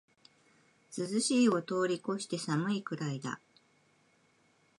涼しいを通りこして寒いくらいだ